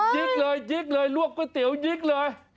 กิ๊กเลยยิกเลยลวกก๋วยเตี๋ยวยิกเลย